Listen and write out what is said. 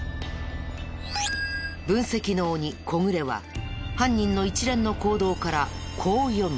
分析の鬼小暮は犯人の一連の行動からこう読んだ。